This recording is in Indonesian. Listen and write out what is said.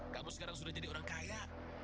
kamu sekarang sudah jadi orang kaya